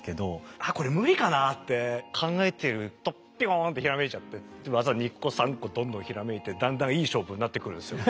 あっこれ無理かなって考えてるとピコーンって閃いちゃってで技２個３個どんどん閃いてだんだんいい勝負になってくるんですよ。